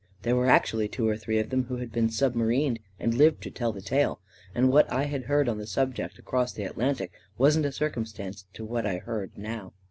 There were actually two or three of them who had been submarined and lived to tell the tale, and what I had heard on the subject crossing the At lantic wasn't a circumstance to what I heard now.